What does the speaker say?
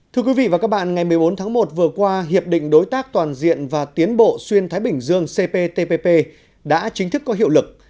thưa quý vị và các bạn ngày một mươi bốn tháng một vừa qua hiệp định đối tác toàn diện và tiến bộ xuyên thái bình dương cptpp đã chính thức có hiệu lực